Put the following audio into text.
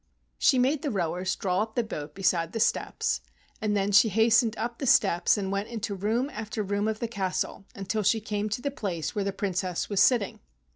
She made the rowers draw up the boat beside the steps, and then she hastened up the steps and went into room after room of the castle until she came to the place where the Princess was sitting.